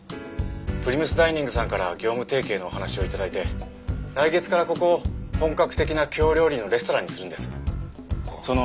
プリムスダイニングさんから業務提携のお話を頂いて来月からここを本格的な京料理のレストランにするんです。